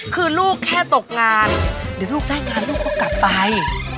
คือลูกแค่ตกงานเดี๋ยวลูกได้งานลูกก็กลับไป